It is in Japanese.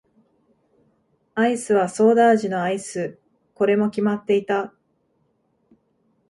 アイスはソーダ味のアイス。これも決まっていた。